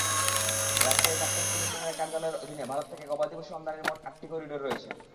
Rajshahi customs কমিশনারের কার্যালয়ের অধীনে ভারত থেকে গবাদিপশু আমদানির মোট আটটি করিডর রয়েছে।